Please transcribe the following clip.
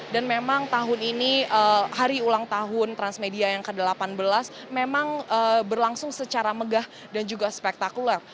dan memang tahun ini hari ulang tahun transmedia yang ke delapan belas memang berlangsung secara megah dan juga spektakuler